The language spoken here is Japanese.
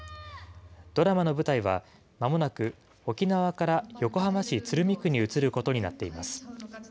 ドラマの舞台は、まもなく沖縄から横浜市鶴見区に移ることになっています。